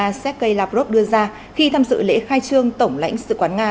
ngoại trưởng nga sergei lavrov đưa ra khi tham dự lễ khai trương tổng lãnh sự quán nga